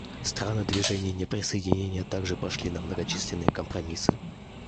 Страны Движения неприсоединения также пошли на многочисленные компромиссы.